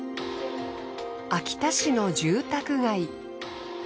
秋田市の住宅街。